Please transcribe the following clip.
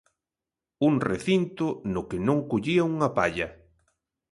Un recinto no que non collía unha palla.